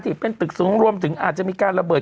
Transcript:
ที่เป็นตึกสูงรวมถึงอาจจะมีการระเบิด